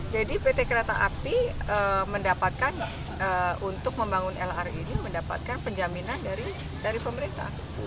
jadi pt kereta api mendapatkan untuk membangun lrt ini mendapatkan penjaminan dari pemerintah